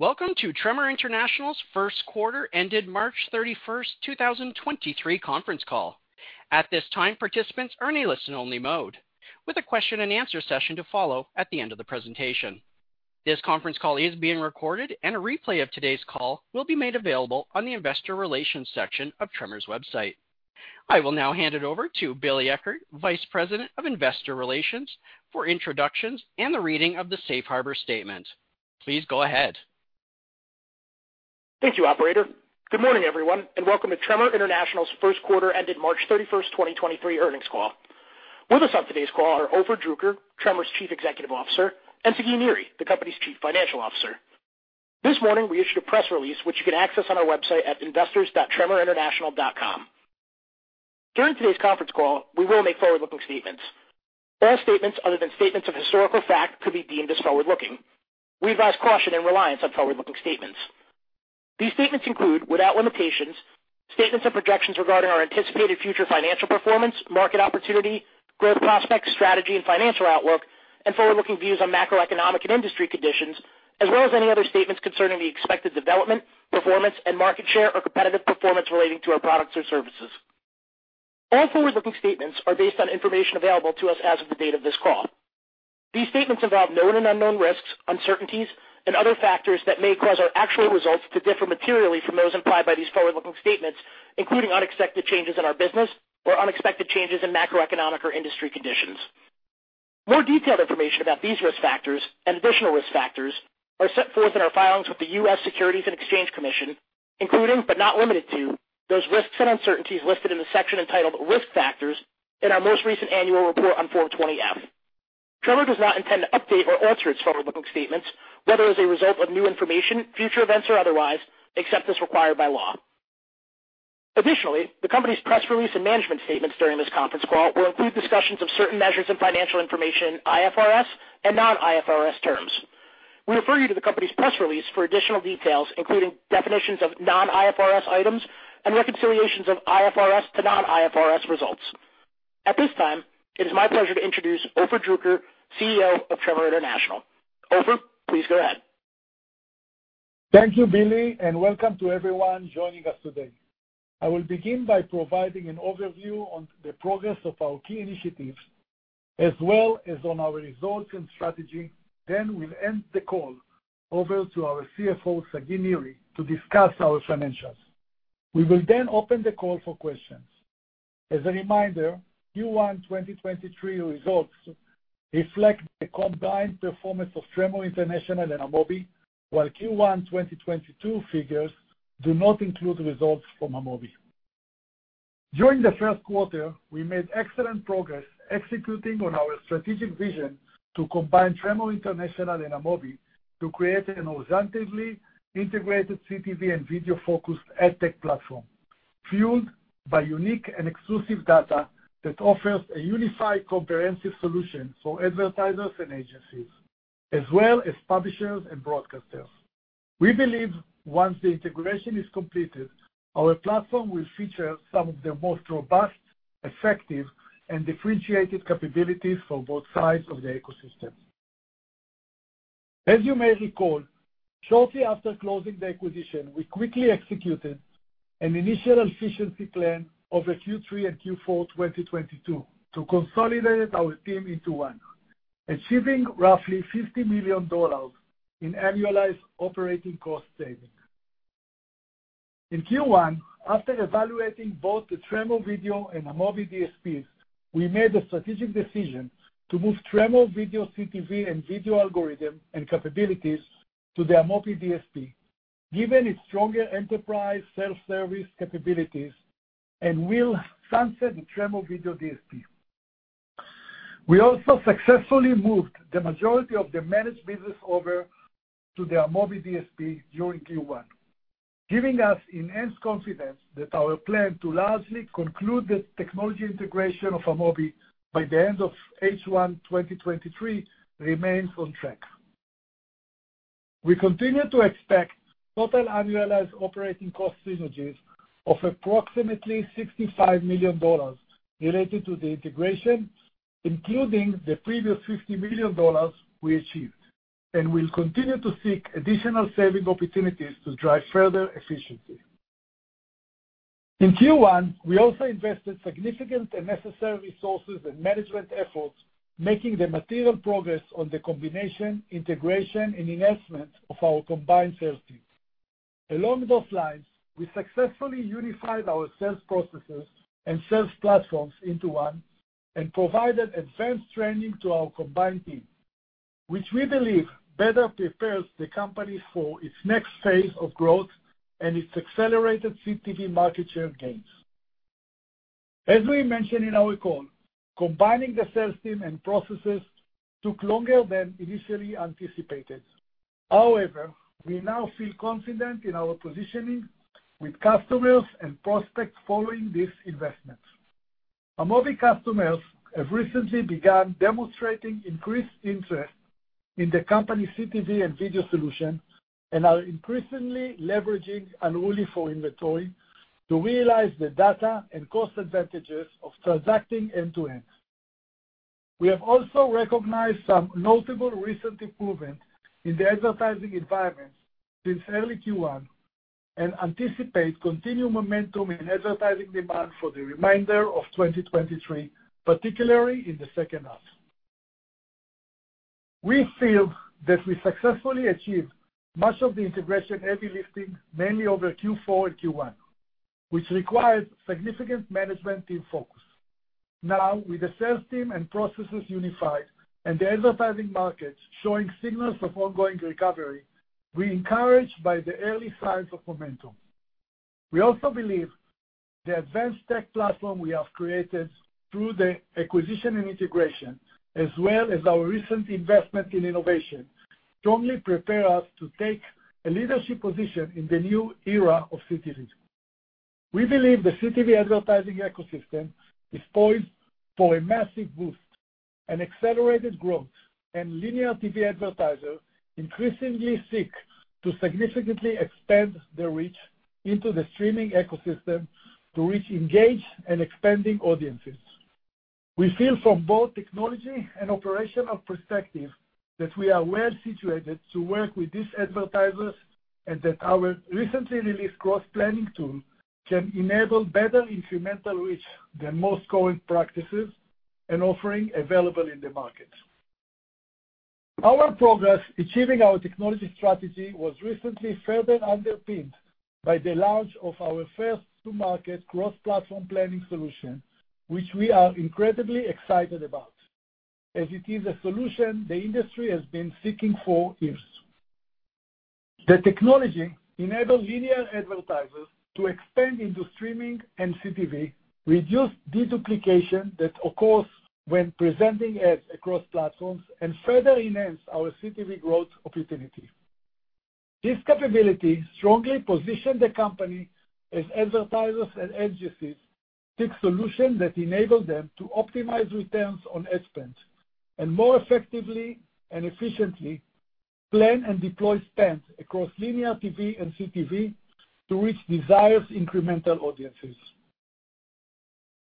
Welcome to Tremor International's first quarter ended March 31, 2023 conference call. At this time, participants are in a listen-only mode, with a question and answer session to follow at the end of the presentation. This conference call is being recorded, and a replay of today's call will be made available on the investor relations section of Tremor's website. I will now hand it over to Billy Eckert, Vice President of Investor Relations, for introductions and the reading of the Safe Harbor statement. Please go ahead. Thank you, operator. Good morning, everyone, and welcome to Tremor International's first quarter ended March 31, 2023 earnings call. With us on today's call are Ofer Druker, Tremor's Chief Executive Officer, and Sagi Niri, the company's Chief Financial Officer. This morning, we issued a press release, which you can access on our website at investors.tremorinternational.com. During today's conference call, we will make forward-looking statements. All statements other than statements of historical fact could be deemed as forward-looking. We advise caution and reliance on forward-looking statements. These statements include, without limitations, statements and projections regarding our anticipated future financial performance, market opportunity, growth prospects, strategy and financial outlook, and forward-looking views on macroeconomic and industry conditions, as well as any other statements concerning the expected development, performance and market share or competitive performance relating to our products or services. All forward-looking statements are based on information available to us as of the date of this call. These statements involve known and unknown risks, uncertainties, and other factors that may cause our actual results to differ materially from those implied by these forward-looking statements, including unexpected changes in our business or unexpected changes in macroeconomic or industry conditions. More detailed information about these risk factors and additional risk factors are set forth in our filings with the US Securities and Exchange Commission, including, but not limited to, those risks and uncertainties listed in the section entitled Risk Factors in our most recent annual report on Form 20-F. Tremor does not intend to update or alter its forward-looking statements, whether as a result of new information, future events, or otherwise, except as required by law. Additionally, the company's press release and management statements during this conference call will include discussions of certain measures and financial information in IFRS and non-IFRS terms. We refer you to the company's press release for additional details, including definitions of non-IFRS items and reconciliations of IFRS to non-IFRS results. At this time, it is my pleasure to introduce Ofer Druker, CEO of Tremor International. Ofer, please go ahead. Thank you, Billy. Welcome to everyone joining us today. I will begin by providing an overview on the progress of our key initiatives, as well as on our results and strategy. We'll end the call over to our CFO, Sagi Niri, to discuss our financials. We will then open the call for questions. As a reminder, Q1 2023 results reflect the combined performance of Tremor International and Amobee, while Q1 2022 figures do not include results from Amobee. During the first quarter, we made excellent progress executing on our strategic vision to combine Tremor International and Amobee to create an horizontally integrated CTV and video-focused ad tech platform, fueled by unique and exclusive data that offers a unified, comprehensive solution for advertisers and agencies, as well as publishers and broadcasters. We believe once the integration is completed, our platform will feature some of the most robust, effective, and differentiated capabilities for both sides of the ecosystem. As you may recall, shortly after closing the acquisition, we quickly executed an initial efficiency plan over Q3 and Q4, 2022 to consolidate our team into one, achieving roughly $50 million in annualized operating cost savings. In Q1, after evaluating both the Tremor Video and Amobee DSPs, we made the strategic decision to move Tremor Video, CTV, and video algorithm and capabilities to the Amobee DSP, given its stronger enterprise self-service capabilities, and will sunset the Tremor Video DSP. We also successfully moved the majority of the managed business over to the Amobee DSP during Q1, giving us enhanced confidence that our plan to largely conclude the technology integration of Amobee by the end of H1, 2023 remains on track. We continue to expect total annualized operating cost synergies of approximately $65 million related to the integration, including the previous $50 million we achieved. We will continue to seek additional saving opportunities to drive further efficiency. In Q1, we also invested significant and necessary resources and management efforts, making the material progress on the combination, integration, and enhancement of our combined sales team. Along those lines, we successfully unified our sales processes and sales platforms into one and provided advanced training to our combined team, which we believe better prepares the company for its next phase of growth and its accelerated CTV market share gains. As we mentioned in our call, combining the sales team and processes took longer than initially anticipated. We now feel confident in our positioning with customers and prospects following these investments. Amobee customers have recently begun demonstrating increased interest in the company's CTV and video solution and are increasingly leveraging Unruly for inventory to realize the data and cost advantages of transacting end-to-end. We have also recognized some notable recent improvements in the advertising environment since early Q1, and anticipate continued momentum in advertising demand for the remainder of 2023, particularly in the second half. We feel that we successfully achieved much of the integration heavy lifting mainly over Q4 and Q1, which required significant management team focus. Now, with the sales team and processes unified and the advertising markets showing signals of ongoing recovery, we're encouraged by the early signs of momentum. We also believe the advanced tech platform we have created through the acquisition and integration, as well as our recent investment in innovation, strongly prepare us to take a leadership position in the new era of CTV. We believe the CTV advertising ecosystem is poised for a massive boost and accelerated growth, and linear TV advertisers increasingly seek to significantly expand their reach into the streaming ecosystem to reach, engage, and expanding audiences. We feel from both technology and operational perspective, that we are well situated to work with these advertisers, and that our recently released cross-planning tool can enable better incremental reach than most current practices and offering available in the market. Our progress achieving our technology strategy was recently further underpinned by the launch of our first-to-market cross-platform planning solution, which we are incredibly excited about, as it is a solution the industry has been seeking for years. The technology enables linear advertisers to expand into streaming and CTV, reduce duplication that occurs when presenting ads across platforms, and further enhance our CTV growth opportunity. This capability strongly positions the company as advertisers and agencies seek solutions that enable them to optimize returns on ad spend, and more effectively and efficiently plan and deploy spends across linear TV and CTV to reach desired incremental audiences.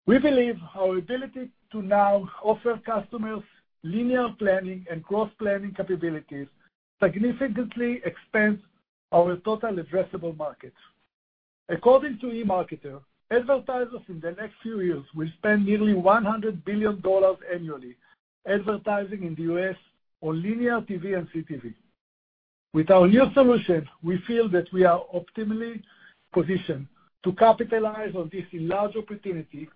We believe our ability to now offer customers linear planning and cross-planning capabilities significantly expands our total addressable market. According to eMarketer, advertisers in the next few years will spend nearly $100 billion annually advertising in the U.S. on linear TV and CTV. With our new solution, we feel that we are optimally positioned to capitalize on this large opportunity,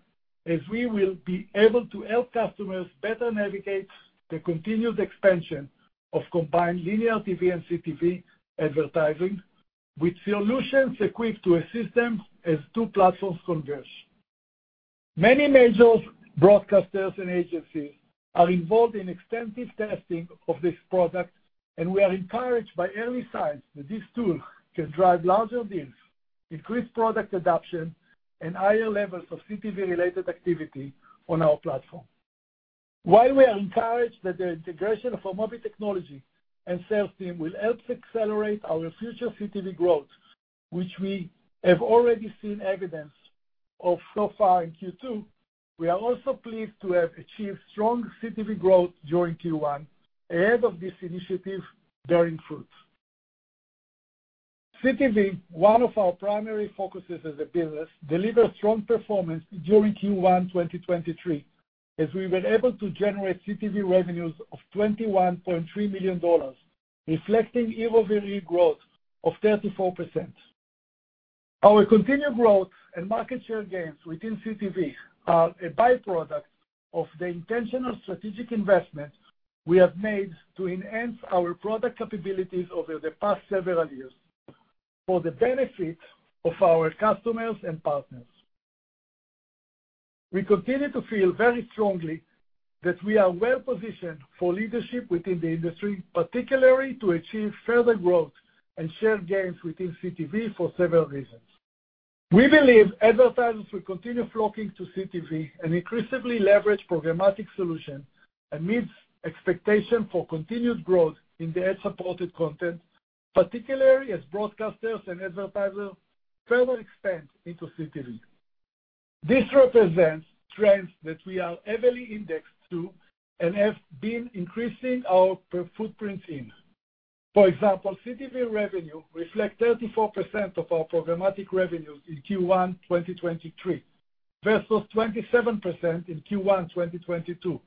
as we will be able to help customers better navigate the continued expansion of combined linear TV and CTV advertising with solutions equipped to assist them as two platforms converge. Many major broadcasters and agencies are involved in extensive testing of this product. We are encouraged by early signs that this tool can drive larger deals, increase product adoption, and higher levels of CTV-related activity on our platform. While we are encouraged that the integration of our mobile technology and sales team will help accelerate our future CTV growth, which we have already seen evidence of so far in Q2, we are also pleased to have achieved strong CTV growth during Q1, ahead of this initiative bearing fruits. CTV, one of our primary focuses as a business, delivered strong performance during Q1, 2023, as we were able to generate CTV revenues of $21.3 million, reflecting year-over-year growth of 34%. Our continued growth and market share gains within CTV are a by-product of the intentional strategic investments we have made to enhance our product capabilities over the past several years for the benefit of our customers and partners. We continue to feel very strongly that we are well positioned for leadership within the industry, particularly to achieve further growth and share gains within CTV for several reasons. We believe advertisers will continue flocking to CTV and increasingly leverage programmatic solution amidst expectation for continued growth in the ad-supported content, particularly as broadcasters and advertisers further expand into CTV. This represents trends that we are heavily indexed to and have been increasing our per footprints in. For example, CTV revenue reflects 34% of our programmatic revenues in Q1 2023 versus 27% in Q1 2022.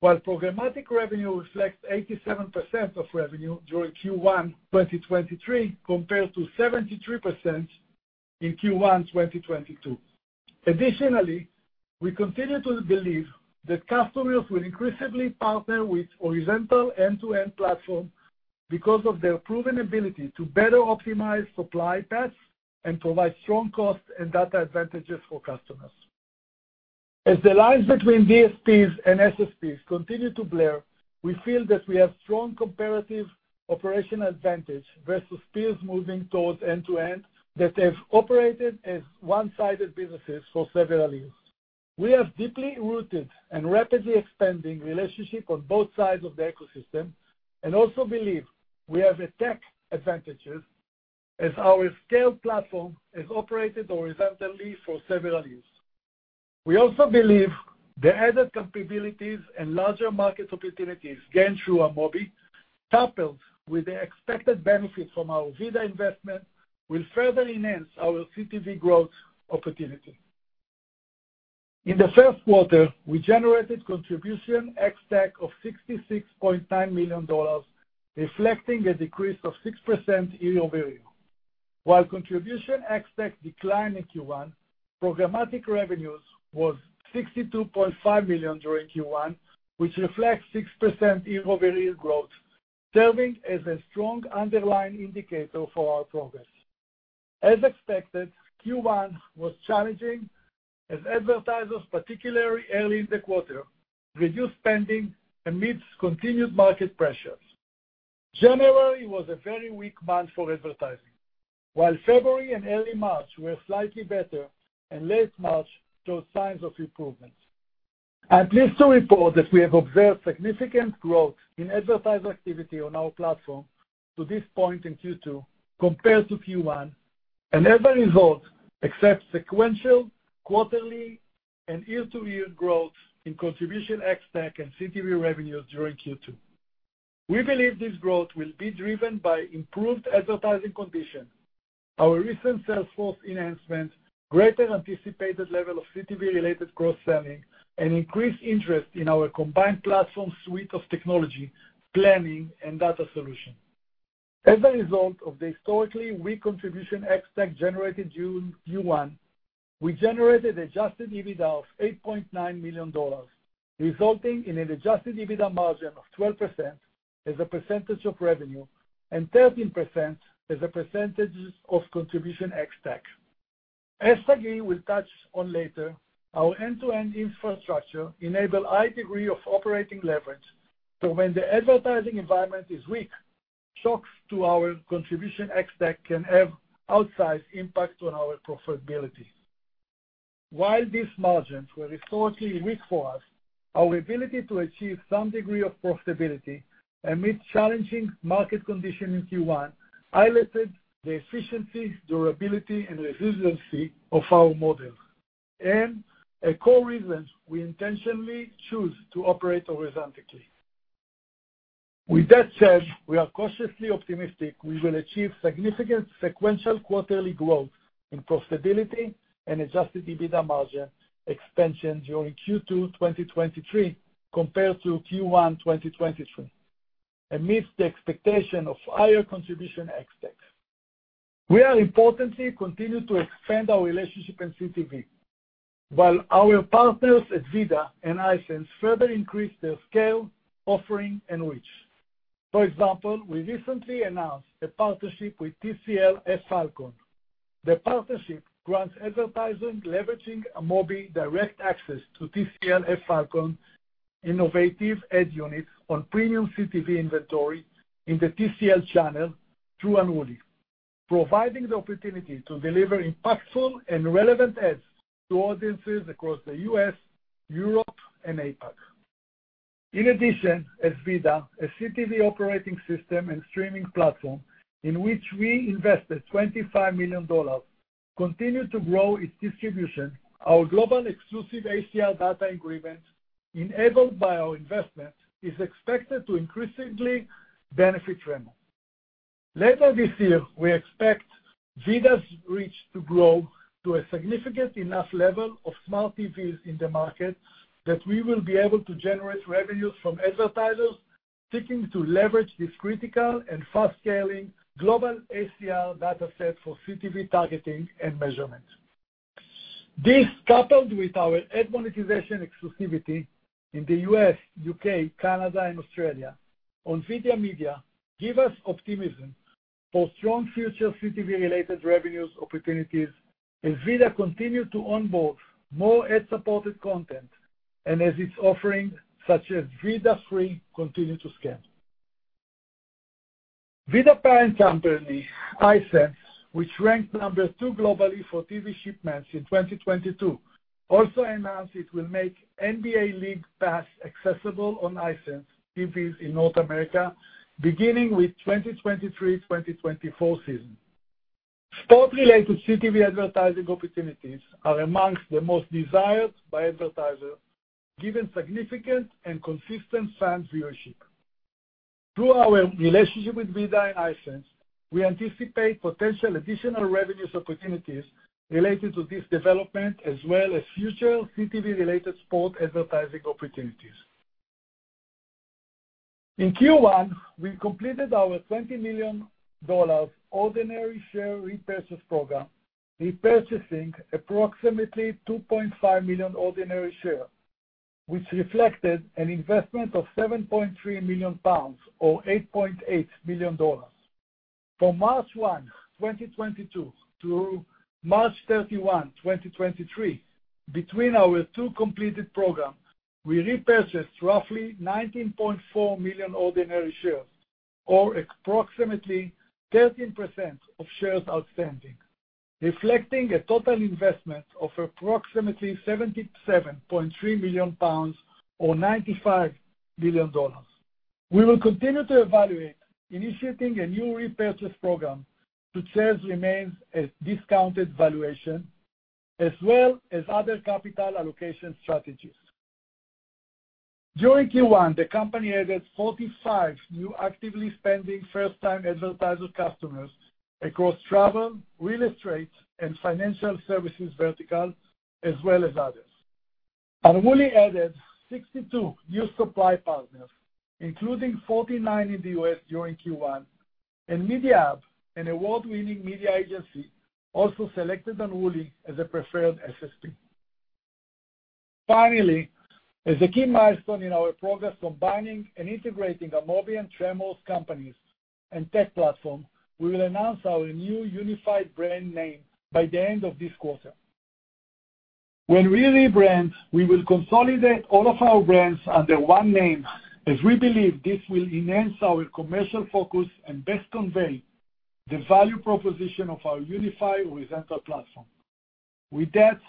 While programmatic revenue reflects 87% of revenue during Q1 2023, compared to 73% in Q1 2022. Additionally, we continue to believe that customers will increasingly partner with Nexxen end-to-end platform because of their proven ability to better optimize supply paths and provide strong cost and data advantages for customers. As the lines between DSPs and SSPs continue to blur, we feel that we have strong comparative operational advantage versus peers moving towards end-to-end that have operated as one-sided businesses for several years. We are deeply rooted and rapidly expanding relationship on both sides of the ecosystem and also believe we have the tech advantages as our scale platform has operated horizontally for several years. We also believe the added capabilities and larger market opportunities gained through Amobee, coupled with the expected benefits from our VIDAA investment, will further enhance our CTV growth opportunity. In the first quarter, we generated Contribution ex-TAC of $66.9 million, reflecting a decrease of 6% year-over-year. While Contribution ex-TAC declined in Q1, programmatic revenues was $62.5 million during Q1, which reflects 6% year-over-year growth, serving as a strong underlying indicator for our progress. As expected, Q1 was challenging as advertisers, particularly early in the quarter, reduced spending amidst continued market pressures. January was a very weak month for advertising, while February and early March were slightly better and late March showed signs of improvement. I'm pleased to report that we have observed significant growth in advertiser activity on our platform to this point in Q2 compared to Q1, and as a result, accept sequential, quarterly, and year-to-year growth in Contribution ex-TAC and CTV revenues during Q2. We believe this growth will be driven by improved advertising conditions, our recent sales force enhancements, greater anticipated level of CTV-related cross-selling, and increased interest in our combined platform suite of technology, planning, and data solutions. As a result of the historically weak Contribution ex-TAC generated during Q1, we generated Adjusted EBITDA of $8.9 million, resulting in an Adjusted EBITDA margin of 12% as a percentage of revenue and 13% as a percentage of Contribution ex-TAC. As Sagi will touch on later, our end-to-end infrastructure enable high degree of operating leverage, so when the advertising environment is weak, shocks to our Contribution ex-TAC can have outsized impact on our profitability. While these margins were historically weak for us, our ability to achieve some degree of profitability amid challenging market conditions in Q1 highlighted the efficiency, durability, and resiliency of our model, and a core reason we intentionally choose to operate horizontally. We are cautiously optimistic we will achieve significant sequential quarterly growth in profitability and Adjusted EBITDA margin expansion during Q2 2023 compared to Q1 2023, amidst the expectation of higher Contribution ex-TAC. We are importantly continuing to expand our relationship in CTV, while our partners at VIDAA and Hisense further increase their scale, offering, and reach. We recently announced a partnership with TCL FFalcon. The partnership grants advertisers leveraging Amobee direct access to TCL FFalcon innovative ad units on premium CTV inventory in the TCL Channel through Amobee, providing the opportunity to deliver impactful and relevant ads to audiences across the U.S., Europe, and APAC. As VIDAA, a CTV operating system and streaming platform in which we invested $25 million, continued to grow its distribution, our global exclusive ACR data agreement, enabled by our investment, is expected to increasingly benefit Tremor. Later this year, we expect VIDAA's reach to grow to a significant enough level of smart TVs in the market that we will be able to generate revenues from advertisers seeking to leverage this critical and fast-scaling global ACR dataset for CTV targeting and measurement. This, coupled with our ad monetization exclusivity in the U.S., U.K., Canada, and Australia on VIDAA media, give us optimism for strong future CTV-related revenues opportunities as VIDAA continue to onboard more ad-supported content and as its offerings, such as VIDAA Free, continue to scale. VIDAA parent company, Hisense, which ranked number 2 globally for TV shipments in 2022, also announced it will make NBA League Pass accessible on Hisense TVs in North America, beginning with 2023/2024 season. Sport-related CTV advertising opportunities are amongst the most desired by advertisers, given significant and consistent fan viewership. Through our relationship with VIDAA and Hisense, we anticipate potential additional revenues opportunities related to this development, as well as future CTV-related sport advertising opportunities. In Q1, we completed our $20 million ordinary share repurchase program, repurchasing approximately 2.5 million ordinary shares, which reflected an investment of 7.3 million pounds, or $8.8 million. From March 1, 2022, to March 31, 2023, between our two completed program, we repurchased roughly 19.4 million ordinary shares, or approximately 13% of shares outstanding. reflecting a total investment of approximately 77.3 million pounds, or $95 million. We will continue to evaluate initiating a new repurchase program to shares remains at discounted valuation, as well as other capital allocation strategies. During Q1, the company added 45 new actively spending first-time advertiser customers across travel, real estate, and financial services verticals, as well as others. Unruly added 62 new supply partners, including 49 in the U.S. during Q1, and Mediahub, an award-winning media agency, also selected Unruly as a preferred SSP. Finally, as a key milestone in our progress combining and integrating Amobee and Tremor's companies and tech platform, we will announce our new unified brand name by the end of this quarter. When we rebrand, we will consolidate all of our brands under one name, as we believe this will enhance our commercial focus and best convey the value proposition of our unified horizontal platform. With that,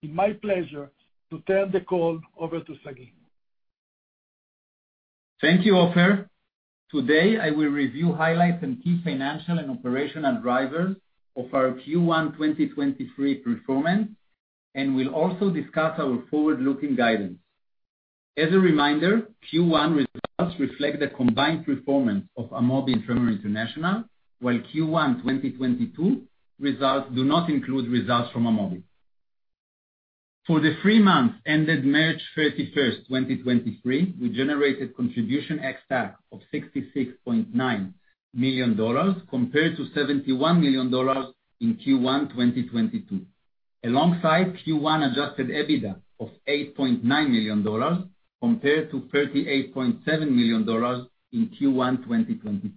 it's my pleasure to turn the call over to Sagi. Thank you, Ofer. Today, I will review highlights and key financial and operational drivers of our Q1 2023 performance, and will also discuss our forward-looking guidance. As a reminder, Q1 results reflect the combined performance of Amobee and Tremor International, while Q1 2022 results do not include results from Amobee. For the three months ended March 31st, 2023, we generated Contribution ex-TAC of $66.9 million, compared to $71 million in Q1 2022. Alongside Q1 Adjusted EBITDA of $8.9 million, compared to $38.7 million in Q1 2022.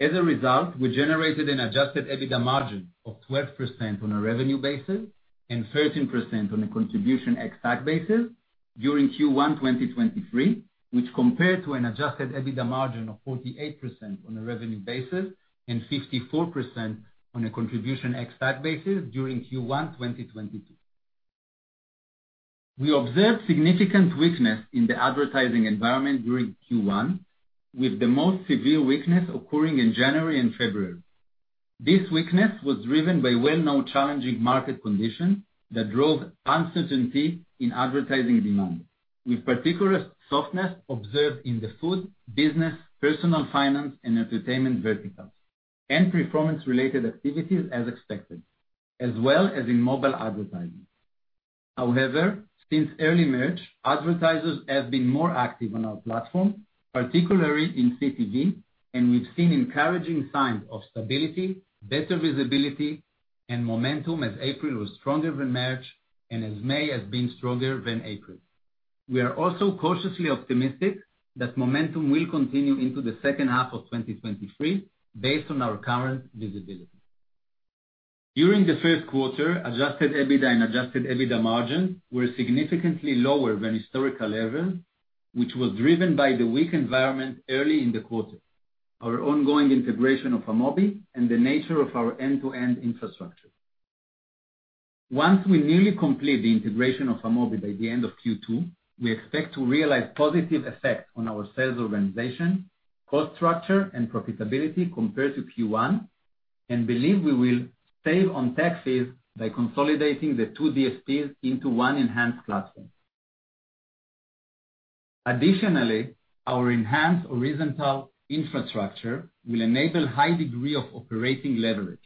As a result, we generated an Adjusted EBITDA margin of 12% on a revenue basis and 13% on a Contribution ex-TAC basis during Q1 2023, which compared to an Adjusted EBITDA margin of 48% on a revenue basis and 54% on a Contribution ex-TAC basis during Q1 2022. We observed significant weakness in the advertising environment during Q1, with the most severe weakness occurring in January and February. This weakness was driven by well-known challenging market conditions that drove uncertainty in advertising demand, with particular softness observed in the food, business, personal finance and entertainment verticals, and performance-related activities as expected, as well as in mobile advertising. Since early March, advertisers have been more active on our platform, particularly in CTV, and we've seen encouraging signs of stability, better visibility, and momentum as April was stronger than March, and as May has been stronger than April. We are also cautiously optimistic that momentum will continue into the second half of 2023, based on our current visibility. During the first quarter, Adjusted EBITDA and Adjusted EBITDA margin were significantly lower than historical levels, which was driven by the weak environment early in the quarter, our ongoing integration of Amobee, and the nature of our end-to-end infrastructure. Once we nearly complete the integration of Amobee by the end of Q2, we expect to realize positive effects on our sales organization, cost structure, and profitability compared to Q1, and believe we will save on taxes by consolidating the 2 DSPs into one enhanced platform. Additionally, our enhanced horizontal infrastructure will enable high degree of operating leverage.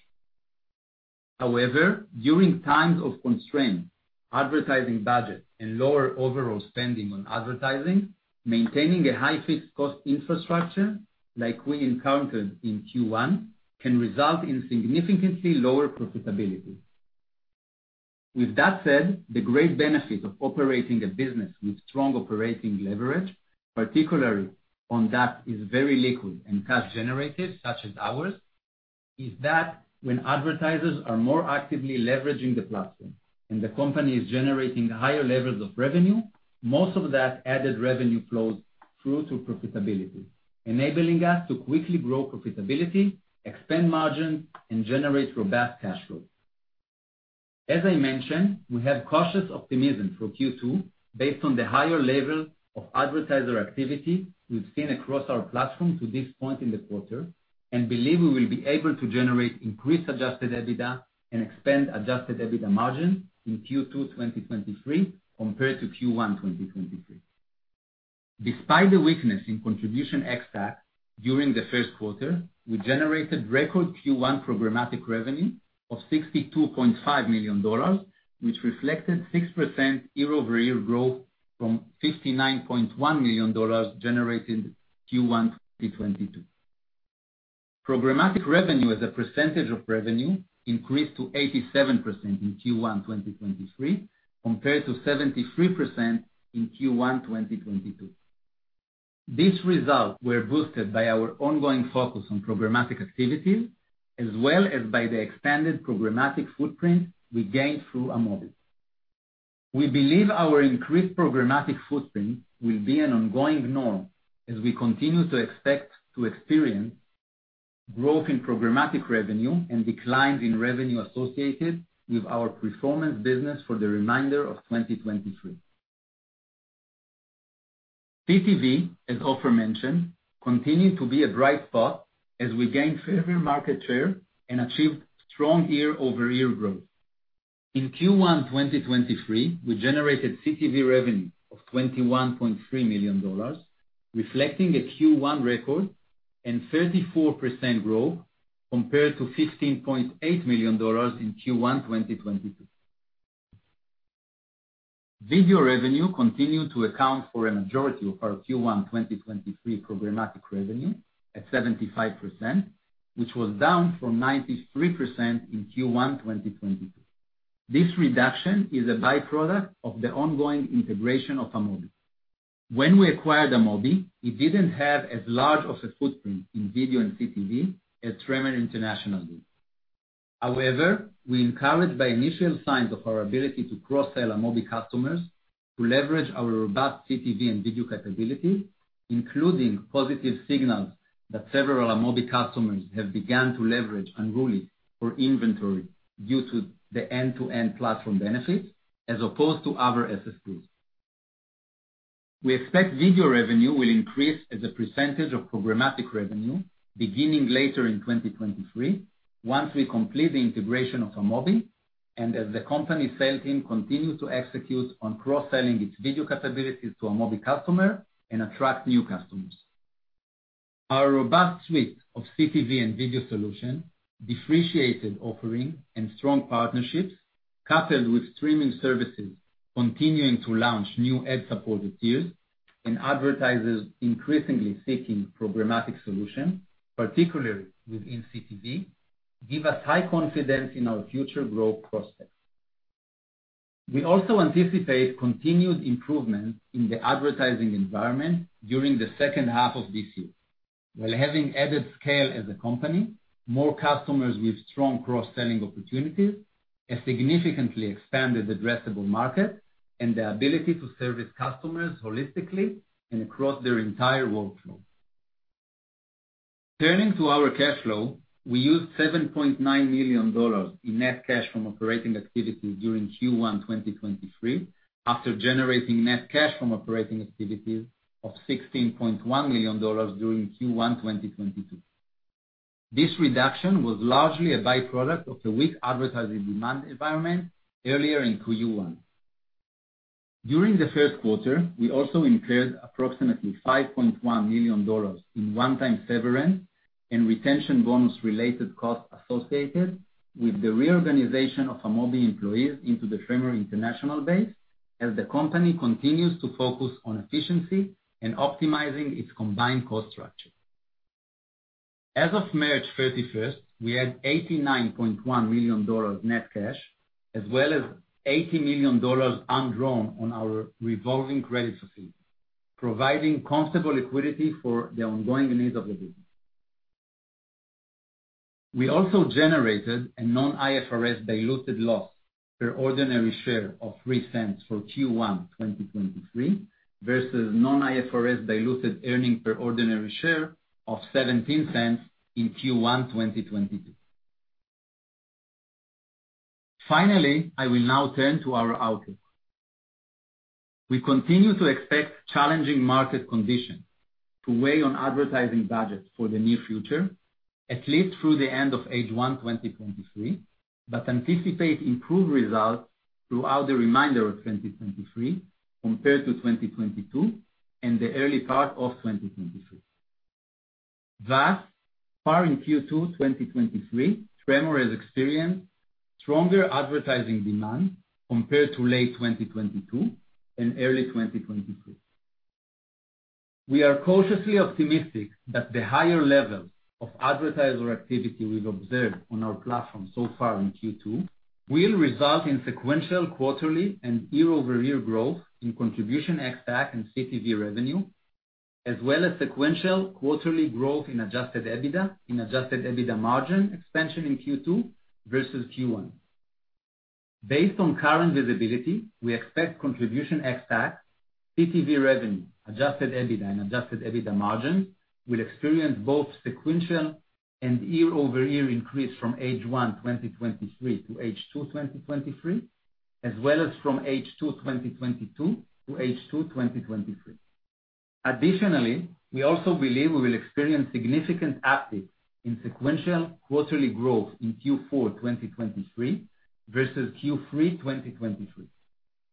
However, during times of constrained advertising budget and lower overall spending on advertising, maintaining a high fixed cost infrastructure, like we encountered in Q1, can result in significantly lower profitability. With that said, the great benefit of operating a business with strong operating leverage, particularly on that is very liquid and cash generative, such as ours, is that when advertisers are more actively leveraging the platform and the company is generating higher levels of revenue, most of that added revenue flows through to profitability, enabling us to quickly grow profitability, expand margins, and generate robust cash flow. As I mentioned, we have cautious optimism for Q2 based on the higher level of advertiser activity we've seen across our platform to this point in the quarter, and believe we will be able to generate increased adjusted EBITDA and expand adjusted EBITDA margin in Q2 2023 compared to Q1 2023. Despite the weakness in Contribution ex-TAC during the first quarter, we generated record Q1 programmatic revenue of $62.5 million, which reflected 6% year-over-year growth from $59.1 million generated Q1 2022. Programmatic revenue as a percentage of revenue increased to 87% in Q1 2023, compared to 73% in Q1 2022. These results were boosted by our ongoing focus on programmatic activities, as well as by the expanded programmatic footprint we gained through Amobee.... We believe our increased programmatic footprint will be an ongoing norm as we continue to expect to experience growth in programmatic revenue and declines in revenue associated with our performance business for the remainder of 2023. CTV, as Ofer mentioned, continued to be a bright spot as we gained further market share and achieved strong year-over-year growth. In Q1, 2023, we generated CTV revenue of $21.3 million, reflecting a Q1 record and 34% growth compared to $15.8 million in Q1, 2022. Video revenue continued to account for a majority of our Q1, 2023 programmatic revenue at 75%, which was down from 93% in Q1, 2022. This reduction is a by-product of the ongoing integration of Amobee. When we acquired Amobee, it didn't have as large of a footprint in video and CTV as Tremor International did. We encouraged by initial signs of our ability to cross-sell Amobee customers to leverage our robust CTV and video capability, including positive signals that several Amobee customers have begun to leverage Unruly for inventory due to the end-to-end platform benefits, as opposed to other SSPs. We expect video revenue will increase as a percentage of programmatic revenue, beginning later in 2023, once we complete the integration of Amobee, and as the company sales team continues to execute on cross-selling its video capabilities to Amobee customer and attract new customers. Our robust suite of CTV and video solution, differentiated offering and strong partnerships, coupled with streaming services continuing to launch new ad-supported tiers and advertisers increasingly seeking programmatic solutions, particularly within CTV, give us high confidence in our future growth prospects. We also anticipate continued improvement in the advertising environment during the second half of this year. While having added scale as a company, more customers with strong cross-selling opportunities, a significantly expanded addressable market, and the ability to service customers holistically and across their entire workflow. Turning to our cash flow, we used $7.9 million in net cash from operating activities during Q1 2023, after generating net cash from operating activities of $16.1 million during Q1 2022. This reduction was largely a by-product of the weak advertising demand environment earlier in Q1. During the first quarter, we also incurred approximately $5.1 million in one-time severance and retention bonus-related costs associated with the reorganization of Amobee employees into the Tremor International base, as the company continues to focus on efficiency and optimizing its combined cost structure. As of March 31st, we had $89.1 million net cash, as well as $80 million undrawn on our revolving credit facility, providing comfortable liquidity for the ongoing needs of the business. We also generated a non-IFRS diluted loss per ordinary share of $0.03 for Q1 2023, versus non-IFRS diluted earning per ordinary share of $0.17 in Q1 2022. I will now turn to our outlook. We continue to expect challenging market conditions to weigh on advertising budgets for the near future, at least through the end of H1 2023, but anticipate improved results throughout the remainder of 2023 compared to 2022 and the early part of 2023. Far in Q2 2023, Nexxen has experienced stronger advertising demand compared to late 2022 and early 2023. We are cautiously optimistic that the higher levels of advertiser activity we've observed on our platform so far in Q2, will result in sequential, quarterly and year-over-year growth in Contribution ex-TAC and CTV revenue, as well as sequential quarterly growth in Adjusted EBITDA, in Adjusted EBITDA margin expansion in Q2 versus Q1. Based on current visibility, we expect Contribution ex-TAC, CTV revenue, Adjusted EBITDA, and Adjusted EBITDA margins will experience both sequential and year-over-year increase from H1 2023 to H2 2023, as well as from H2 2022 to H2 2023. Additionally, we also believe we will experience significant uptick in sequential quarterly growth in Q4 2023 versus Q3 2023,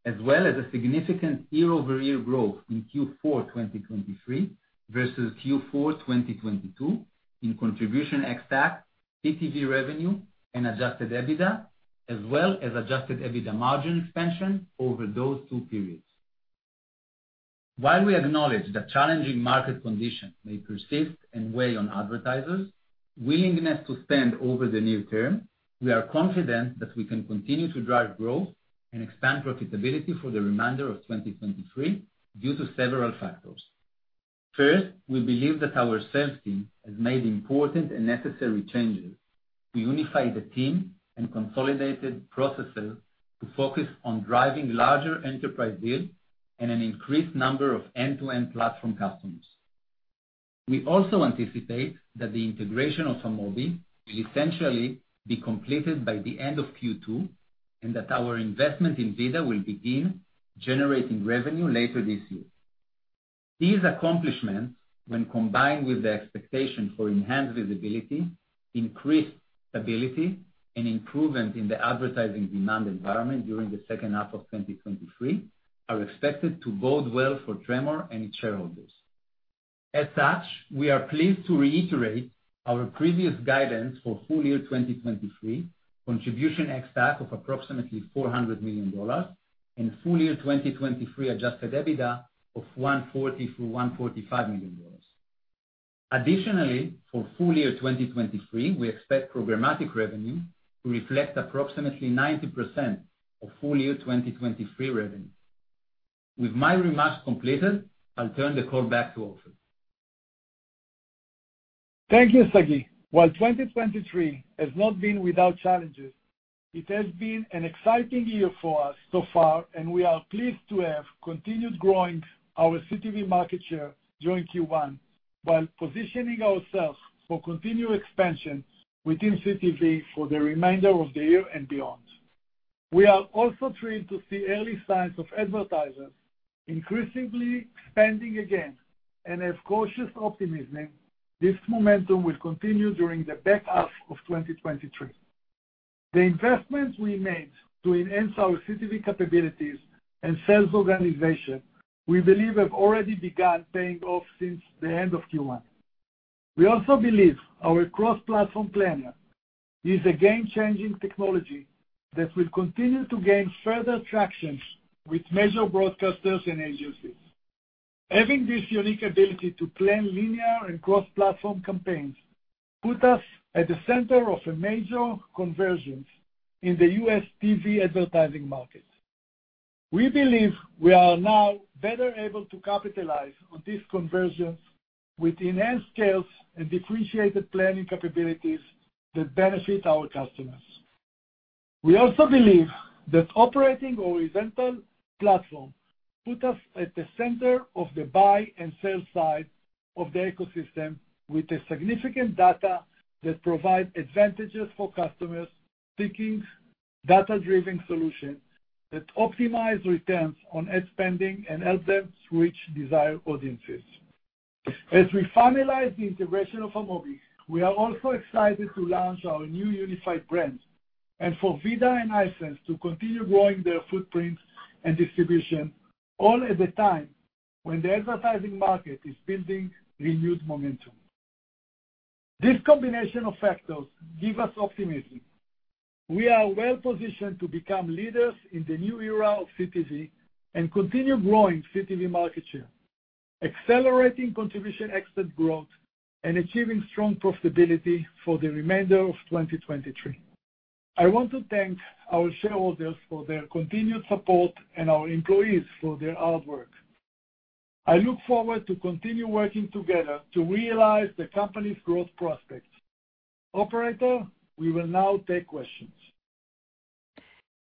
as well as a significant year-over-year growth in Q4 2023 versus Q4 2022, in Contribution ex-TAC, CTV revenue, and Adjusted EBITDA, as well as Adjusted EBITDA margin expansion over those two periods. While we acknowledge that challenging market conditions may persist and weigh on advertisers' willingness to spend over the near term, we are confident that we can continue to drive growth and expand profitability for the remainder of 2023 due to several factors. First, we believe that our sales team has made important and necessary changes to unify the team and consolidated processes to focus on driving larger enterprise deals and an increased number of end-to-end platform customers. We also anticipate that the integration of Amobee will essentially be completed by the end of Q2, and that our investment in VIDAA will begin generating revenue later this year. These accomplishments, when combined with the expectation for enhanced visibility, increased stability, and improvement in the advertising demand environment during the second half of 2023, are expected to bode well for Nexxen and its shareholders. As such, we are pleased to reiterate our previous guidance for full year 2023, Contribution ex-TAC of approximately $400 million, and full year 2023 Adjusted EBITDA of $140 million-$145 million. Additionally, for full year 2023, we expect programmatic revenue to reflect approximately 90% of full year 2023 revenue. With my remarks completed, I'll turn the call back to Ofer. Thank you, Sagi. While 2023 has not been without challenges, it has been an exciting year for us so far, we are pleased to have continued growing our CTV market share during Q1, while positioning ourselves for continued expansion within CTV for the remainder of the year and beyond. We are also thrilled to see early signs of advertisers increasingly spending again, as cautious optimism, this momentum will continue during the back half of 2023. The investments we made to enhance our CTV capabilities and sales organization, we believe have already begun paying off since the end of Q1. We also believe our Cross-Platform Planner is a game-changing technology that will continue to gain further traction with major broadcasters and agencies. Having this unique ability to plan linear and cross-platform campaigns put us at the center of a major convergence in the U.S. TV advertising market. We believe we are now better able to capitalize on this convergence with enhanced sales and differentiated planning capabilities that benefit our customers. We also believe that operating horizontal platform put us at the center of the buy and sell side of the ecosystem, with a significant data that provide advantages for customers seeking data-driven solutions that optimize returns on ad spending and help them to reach desired audiences. As we finalize the integration of Amobee, we are also excited to launch our new unified brand and for VIDAA and Hisense to continue growing their footprints and distribution, all at the time when the advertising market is building renewed momentum. This combination of factors give us optimism. We are well positioned to become leaders in the new era of CTV and continue growing CTV market share, accelerating Contribution ex-TAC growth, and achieving strong profitability for the remainder of 2023. I want to thank our shareholders for their continued support and our employees for their hard work. I look forward to continue working together to realize the company's growth prospects. Operator, we will now take questions.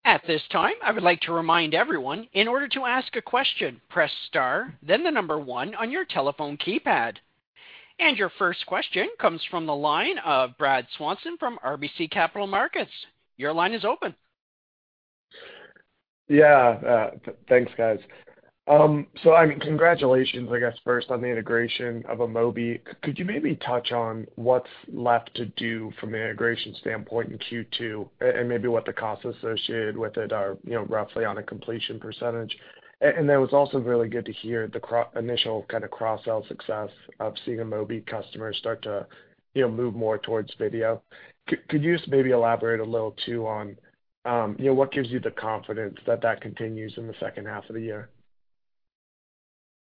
At this time, I would like to remind everyone, in order to ask a question, press star, then the number 1 on your telephone keypad. Your first question comes from the line of Matthew Swanson from RBC Capital Markets. Your line is open. Thanks, guys. I mean, congratulations, I guess, first on the integration of Amobee. Could you maybe touch on what's left to do from an integration standpoint in Q2, and maybe what the costs associated with it are, you know, roughly on a completion percentage? It was also really good to hear the initial kind of cross-sell success of seeing Amobee customers start to, you know, move more towards video. Could you just maybe elaborate a little, too, on, you know, what gives you the confidence that that continues in the second half of the year?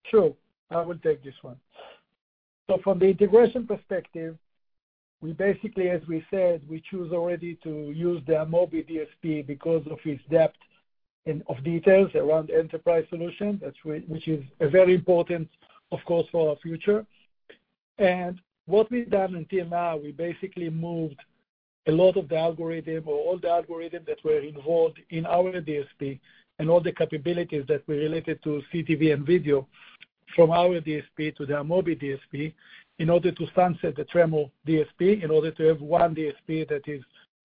Sure, I will take this one. From the integration perspective, we basically, as we said, we choose already to use the Amobee DSP because of its depth and of details around enterprise solution. Which is a very important, of course, for our future. What we've done until now, we basically moved a lot of the algorithm or all the algorithm that were involved in our DSP and all the capabilities that were related to CTV and video from our DSP to the Amobee DSP, in order to sunset the Tremor DSP, in order to have one DSP that is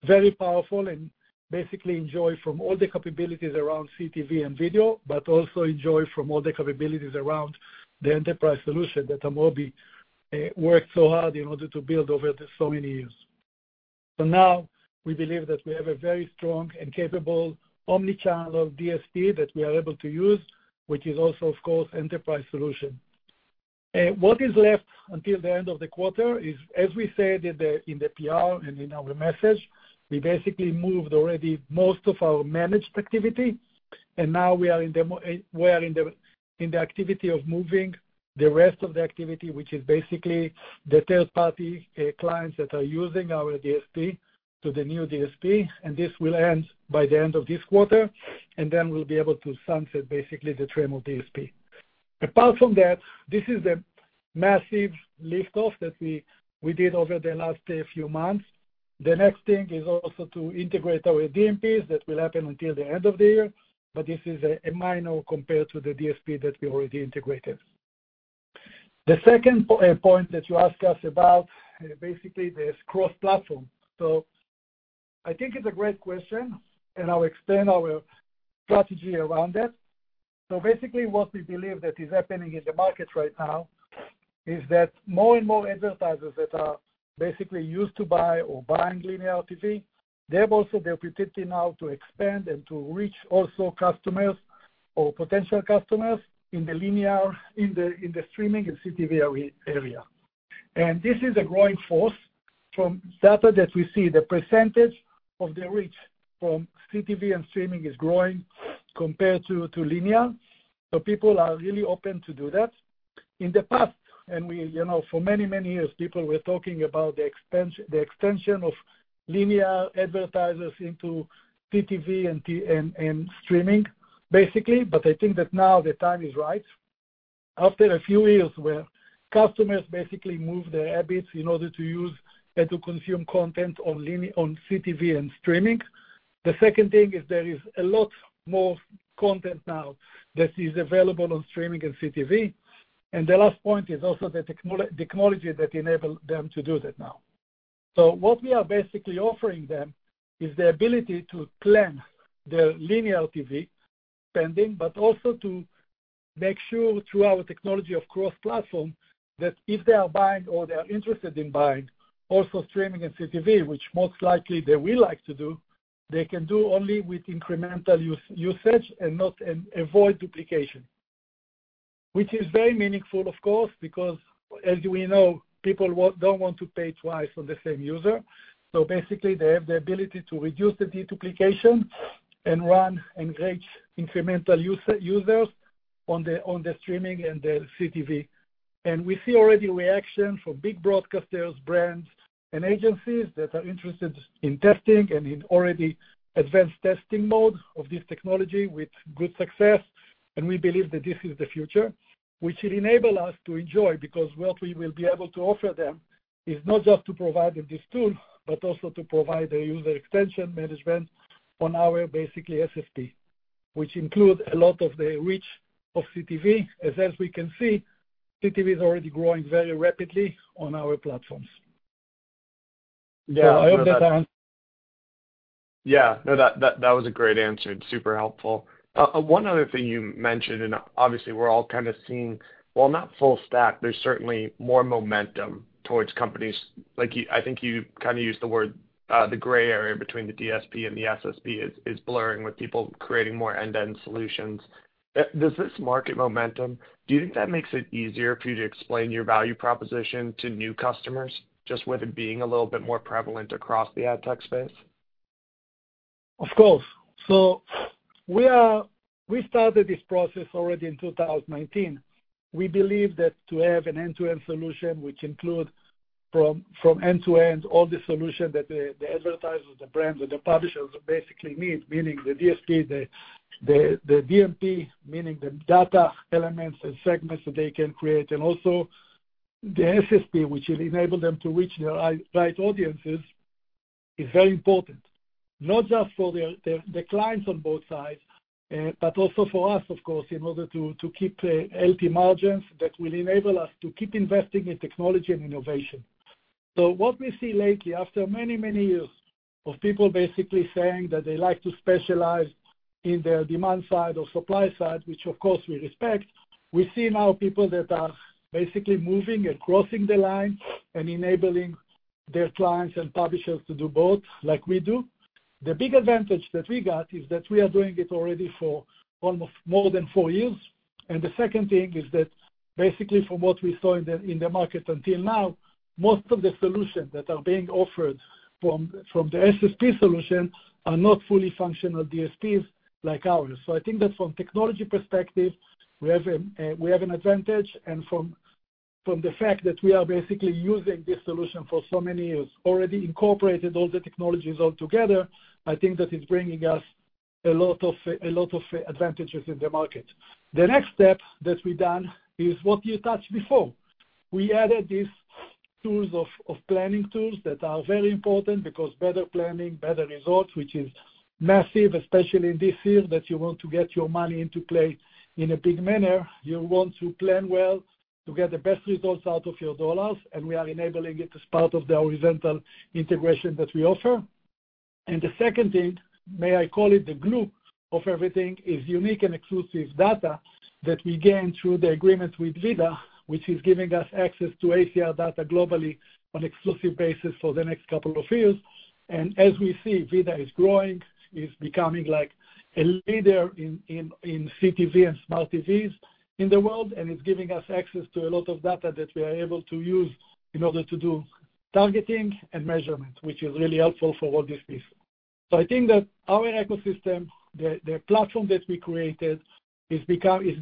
very powerful and basically enjoy from all the capabilities around CTV and video, but also enjoy from all the capabilities around the enterprise solution that Amobee worked so hard in order to build over so many years. Now we believe that we have a very strong and capable omni-channel DSP that we are able to use, which is also, of course, enterprise solution. What is left until the end of the quarter is, as we said in the, in the PR and in our message, we basically moved already most of our managed activity. Now we are in the activity of moving the rest of the activity, which is basically the third-party clients that are using our DSP to the new DSP. This will end by the end of this quarter. Then we'll be able to sunset basically the Tremor DSP. Apart from that, this is a massive lift-off that we did over the last few months. The next thing is also to integrate our DSPs. That will happen until the end of the year, but this is a minor compared to the DSP that we already integrated. The second point that you asked us about, basically, is cross-platform. I think it's a great question, and I'll explain our strategy around that. Basically, what we believe that is happening in the market right now is that more and more advertisers that are basically used to buy or buying linear TV, they have also the opportunity now to expand and to reach also customers or potential customers in the linear, in the streaming and CTV area. This is a growing force. From data that we see, the % of the reach from CTV and streaming is growing compared to linear, so people are really open to do that. In the past, and we, you know, for many, many years, people were talking about the extension of linear advertisers into CTV and streaming, basically, but I think that now the time is right. After a few years where customers basically moved their habits in order to use and to consume content on CTV and streaming. The second thing is there is a lot more content now that is available on streaming and CTV. The last point is also the technology that enable them to do that now. What we are basically offering them is the ability to plan their linear TV spending, but also to make sure, through our technology of cross-platform, that if they are buying or they are interested in buying, also streaming and CTV, which most likely they will like to do, they can do only with incremental usage and not and avoid duplication. Which is very meaningful, of course, because as we know, people don't want to pay twice for the same user. Basically, they have the ability to reduce the deduplication and run and reach incremental users on the streaming and the CTV. We see already reaction from big broadcasters, brands, and agencies that are interested in testing and in already advanced testing mode of this technology with good success, and we believe that this is the future. Which it enable us to enjoy, because what we will be able to offer them is not just to provide them this tool, but also to provide a user extension management on our basically SSP, which include a lot of the reach of CTV. As we can see, CTV is already growing very rapidly on our platforms. I hope that Yeah. No, that was a great answer, and super helpful. One other thing you mentioned, and obviously, we're all kind of seeing, while not full stack, there's certainly more momentum towards companies. Like, I think you kinda used the word, the gray area between the DSP and the SSP is blurring with people creating more end-to-end solutions. Does this market momentum, do you think that makes it easier for you to explain your value proposition to new customers, just with it being a little bit more prevalent across the ad tech space? Of course. We started this process already in 2019. We believe that to have an end-to-end solution, which include from end to end, all the solution that the advertisers, the brands, and the publishers basically need, meaning the DSP, the DMP, meaning the data elements and segments that they can create, and also the SSP, which will enable them to reach the right audiences, is very important. Not just for the clients on both sides, but also for us, of course, in order to keep healthy margins that will enable us to keep investing in technology and innovation. What we see lately, after many, many years of people basically saying that they like to specialize in the demand side or supply side, which of course, we respect, we see now people that are basically moving and crossing the line and enabling their clients and publishers to do both, like we do. The big advantage that we got is that we are doing it already for almost more than four years. The second thing is that basically from what we saw in the market until now, most of the solutions that are being offered from the SSP solution are not fully functional DSPs like ours. I think that from technology perspective, we have an advantage. From the fact that we are basically using this solution for so many years, already incorporated all the technologies all together, I think that is bringing us a lot of advantages in the market. The next step that we've done is what you touched before. We added these tools of planning tools that are very important because better planning, better results, which is massive, especially in this field, that you want to get your money into play in a big manner. You want to plan well to get the best results out of your dollars, and we are enabling it as part of the horizontal integration that we offer. The second thing, may I call it the glue of everything, is unique and exclusive data that we gain through the agreement with VIDAA, which is giving us access to ACR data globally on exclusive basis for the next couple of years. As we see, VIDAA is growing, it's becoming like a leader in CTV and smart TVs in the world, and it's giving us access to a lot of data that we are able to use in order to do targeting and measurement, which is really helpful for all this piece. I think that our ecosystem, the platform that we created, is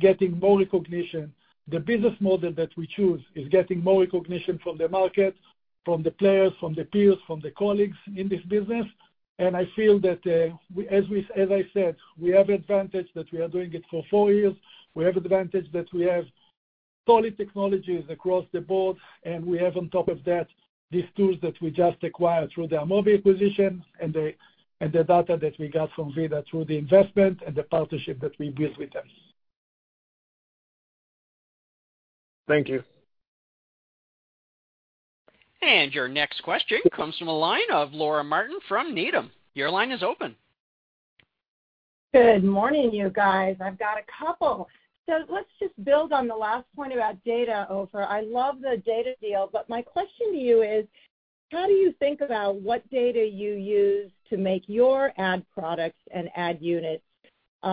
getting more recognition. The business model that we choose is getting more recognition from the market, from the players, from the peers, from the colleagues in this business. I feel that we, as I said, we have advantage that we are doing it for 4 years. We have advantage that we have solid technologies across the board, and we have on top of that, these tools that we just acquired through the Amobee acquisition and the data that we got from VIDAA through the investment and the partnership that we built with them. Thank you. Your next question comes from the line of Laura Martin from Needham. Your line is open. Good morning, you guys. I've got a couple. Let's just build on the last point about data, Ofer. I love the data deal, but my question to you is: how do you think about what data you use to make your ad products and ad units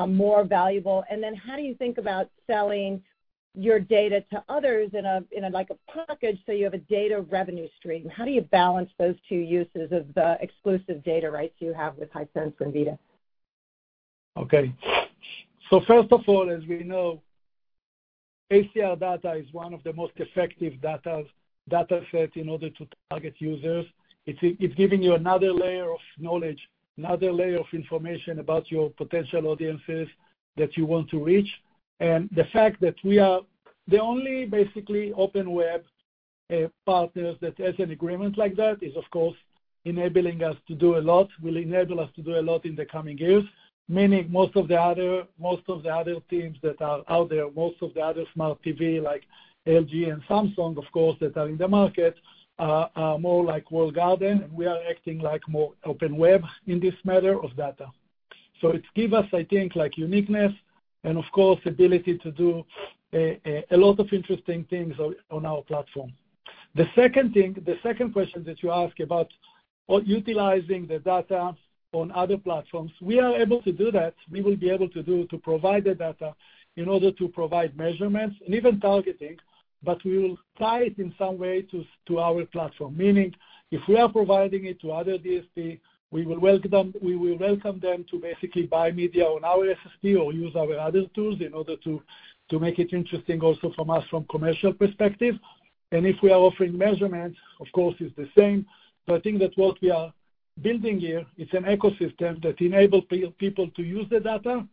more valuable? How do you think about selling your data to others in a like a package, so you have a data revenue stream? How do you balance those two uses of the exclusive data rights you have with Hisense and VIDAA? First of all, as we know, ACR data is one of the most effective data set in order to target users. It's giving you another layer of knowledge, another layer of information about your potential audiences that you want to reach. The fact that we are the only basically open web partners that has an agreement like that, is of course, enabling us to do a lot, will enable us to do a lot in the coming years, meaning most of the other teams that are out there, most of the other smart TV, like LG and Samsung, of course, that are in the market, are more like walled garden, and we are acting like more open web in this matter of data. It give us, I think, like, uniqueness and of course, ability to do a lot of interesting things on our platform. The second thing, the second question that you ask about utilizing the data on other platforms, we are able to do that. We will be able to provide the data in order to provide measurements and even targeting, but we will tie it in some way to our platform. Meaning, if we are providing it to other DSP, we will welcome them to basically buy media on our SSP or use our other tools in order to make it interesting also from us, from commercial perspective. If we are offering measurements, of course, it's the same. I think that what we are building here, it's an ecosystem that enables people to use the data,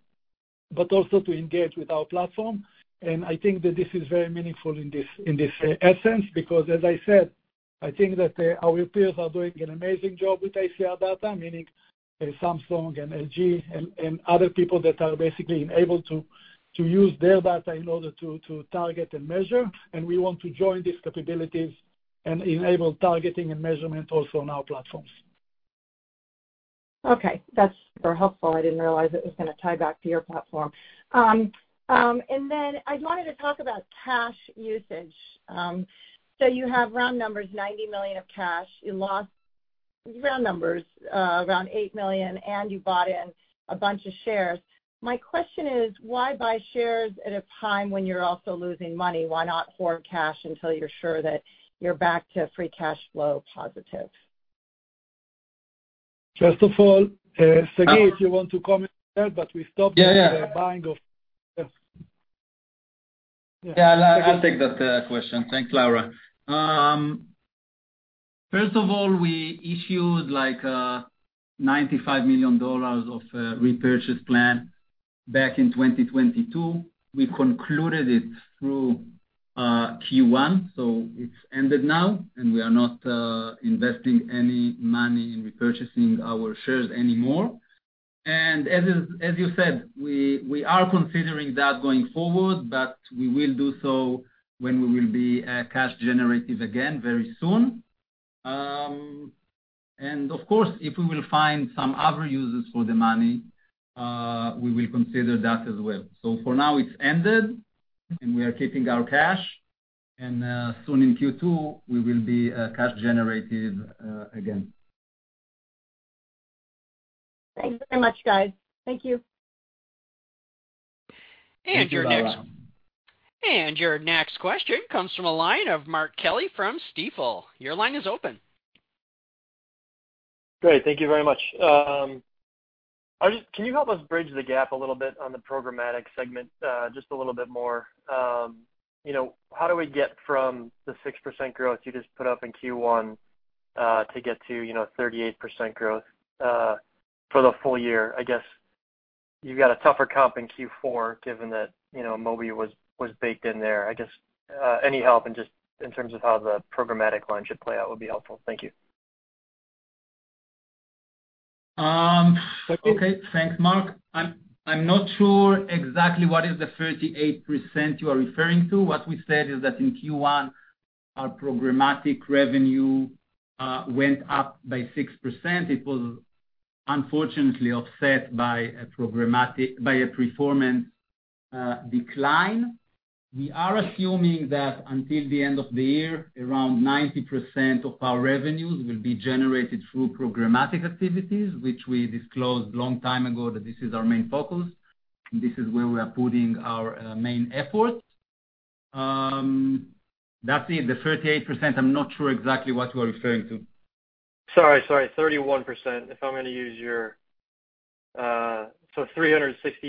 but also to engage with our platform. I think that this is very meaningful in this essence, because as I said, I think that our peers are doing an amazing job with ACR data, meaning Samsung and LG and other people that are basically enabled to use their data in order to target and measure. We want to join these capabilities and enable targeting and measurement also on our platforms. Okay, that's very helpful. I didn't realize it was going to tie back to your platform. I wanted to talk about cash usage. You have round numbers, $90 million of cash. You lost round numbers, around $8 million, you bought in a bunch of shares. My question is, why buy shares at a time when you're also losing money? Why not hoard cash until you're sure that you're back to free cash flow positive? First of all, Sagi, if you want to comment there, but we stopped... Yeah, yeah. the buying of. Yeah, I'll take that question. Thanks, Laura. First of all, we issued, like, $95 million of repurchase plan back in 2022. We concluded it through Q1, so it's ended now, and we are not investing any money in repurchasing our shares anymore. As you said, we are considering that going forward, but we will do so when we will be cash generative again very soon. Of course, if we will find some other uses for the money, we will consider that as well. For now, it's ended, and we are keeping our cash, and soon in Q2, we will be cash generative again. Thanks very much, guys. Thank you. Thank you, Laura. Your next question comes from the line of Mark Kelley from Stifel. Your line is open. Great. Thank you very much. Can you help us bridge the gap a little bit on the programmatic segment just a little bit more? You know, how do we get from the 6% growth you just put up in Q1 to get to, you know, 38% growth for the full year? I guess you've got a tougher comp in Q4, given that, you know, Amobee was baked in there. I guess, any help in just, in terms of how the programmatic line should play out would be helpful. Thank you. Okay. Thanks, Mark. I'm not sure exactly what is the 38% you are referring to. What we said is that in Q1, our programmatic revenue went up by 6%. It was unfortunately offset by a programmatic by a performance decline. We are assuming that until the end of the year, around 90% of our revenues will be generated through programmatic activities, which we disclosed long time ago, that this is our main focus, and this is where we are putting our main effort. That's it, the 38%, I'm not sure exactly what you are referring to. Sorry, 31%. If I'm going to use your, $360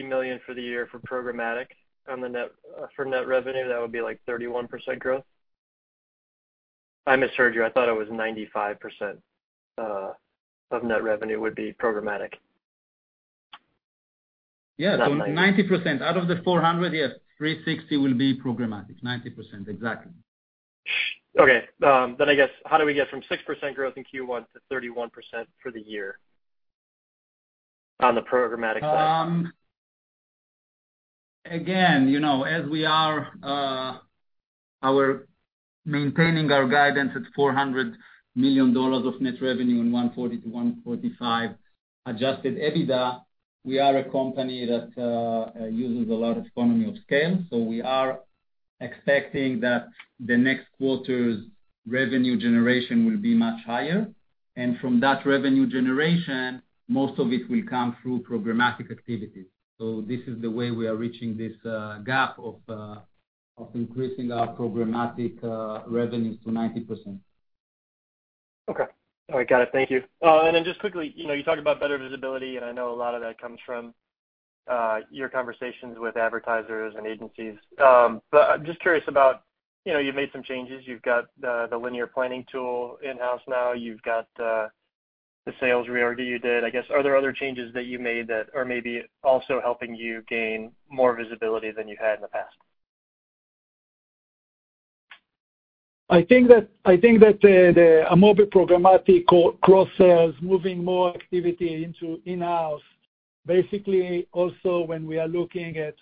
million for the year for programmatic on the net, for net revenue, that would be like 31% growth? I misheard you. I thought it was 95% of net revenue would be programmatic. Yeah, 90%. Out of the 400, yes, 360 will be programmatic. 90%, exactly. I guess, how do we get from 6% growth in Q1 to 31% for the year on the programmatic side? Again, you know, as we are maintaining our guidance at $400 million of net revenue and $140 million-$145 million Adjusted EBITDA, we are a company that uses a lot of economy of scale. We are expecting that the next quarter's revenue generation will be much higher, and from that revenue generation, most of it will come through programmatic activities. This is the way we are reaching this gap of increasing our programmatic revenues to 90%. Okay. All right, got it. Thank you. Just quickly, you know, you talked about better visibility, and I know a lot of that comes from your conversations with advertisers and agencies. I'm just curious about, you know, you've made some changes. You've got the Cross-Platform Planner in-house now, you've got the sales reorg you did. I guess, are there other changes that you made that are maybe also helping you gain more visibility than you had in the past? I think that the Amobee programmatic cross-sells, moving more activity into in-house, basically also when we are looking at